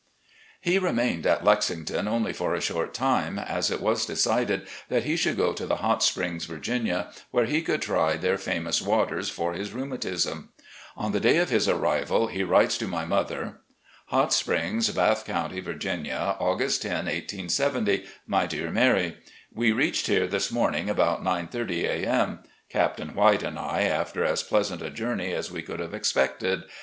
He remained at Lexington only for a short time, as it was decided that he should go to the Hot Springs, Virginia, where he could try their famous waters for his rheumatism. On the day of his arrival he writes to my mother: "Hot Springs, Bath Cotmty, Virginia, "August 10, 1870. "ilfy Dear Mary: We reached here this morning about 9:30 A, M., Captain White and I, after as pleasant a jour 422 RECXDLLECTIONS OP GENERAL LEE ney as we could have expected.